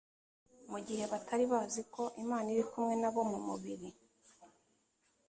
mu gihe batari bazi ko Imana iri kumwe nabo mu mubiri.